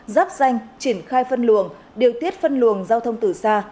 giáp danh triển khai phân luồng điều tiết phân luồng giao thông từ xa